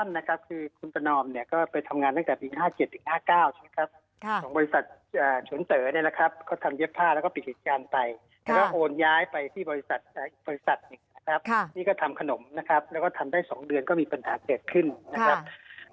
สั้นนะครับคือคุณประนอมเนี่ยก็ไปทำงานตั้งแต่ปี๕๗๕๙ใช่ไหมครับของบริษัทฉนเต๋อเนี่ยนะครับเขาทำเย็บผ้าแล้วก็ปิดการไปแล้วก็โอนย้ายไปที่บริษัทอีกบริษัทนะครับนี่ก็ทำขนมนะครับแล้วก็ทำได้๒เดือนก็มีปัญหาเกิดขึ้นนะครับ